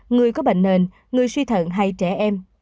người có bệnh nền người suy thận hay trẻ em